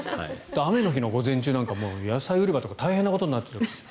雨の日の午前中なんかも野菜売り場とか大変なことになってますね。